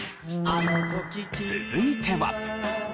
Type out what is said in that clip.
続いては。